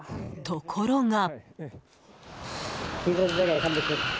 ところが。